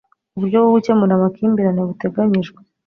uburyo bwo gukemura amakimbirane buteganyijwe